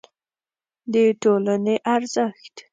د ټولنې ارزښت